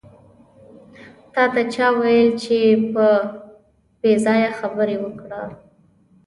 تاته چا وېل چې پې ځایه خبرې وکړه.